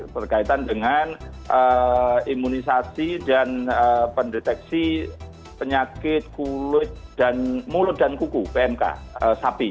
berkaitan dengan imunisasi dan pendeteksi penyakit mulut dan kuku pmk sapi